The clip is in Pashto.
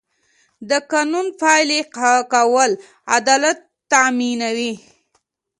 د قانون پلي کول عدالت تامینوي.